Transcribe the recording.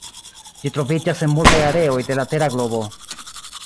Ĝi troviĝas en multaj areoj de la tera globo.